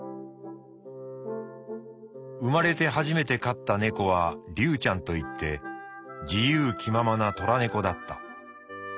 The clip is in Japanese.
「生まれて初めて飼った猫はリュウちゃんといって自由気ままなトラ猫だった。